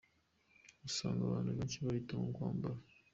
Gusanga abantu benshi bahitamo kwambara.